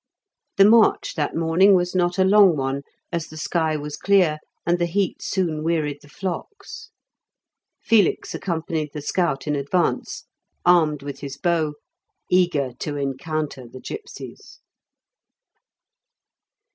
The march that morning was not a long one, as the sky was clear and the heat soon wearied the flocks. Felix accompanied the scout in advance, armed with his bow, eager to encounter the gipsies.